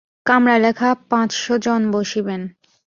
কামরায় লেখা পাঁচশ জন বসিবেন।